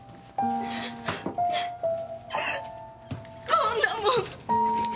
こんなもん。